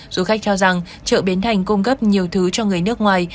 du khách cho rằng chợ bến thành cung cấp nhiều thứ cho người nước ngoài